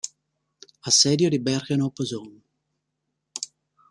Assedio di Bergen op Zoom